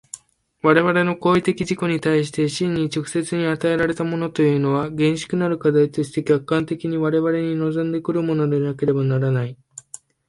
我々の行為的自己に対して真に直接に与えられたものというのは、厳粛なる課題として客観的に我々に臨んで来るものでなければならない。